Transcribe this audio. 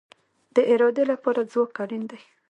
د ارادې لپاره ځواک اړین دی